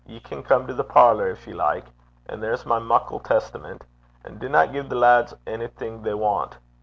Ye can come benn to the parlour gin ye like. An' there's my muckle Testament. And dinna gie the lads a' thing they want.